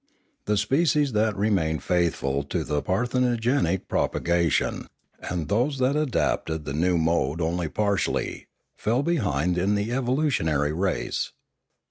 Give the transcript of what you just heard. The species that re mained faithful to parthenogenetic propagation, and those that adopted the new mode only partially, fell behind in the evolutionary race.